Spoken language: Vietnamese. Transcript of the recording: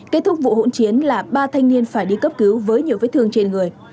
kết thúc vụ hỗn chiến là ba thanh niên phải đi cấp cứu với nhiều vết thương trên người